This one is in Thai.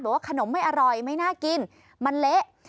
ว่าขนมไม่อร่อยไม่น่ากินมันเละ